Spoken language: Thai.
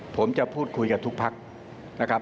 ผมจะพูดคุยกับทุกพักนะครับ